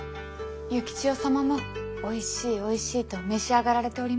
幸千代様もおいしいおいしいと召し上がられております。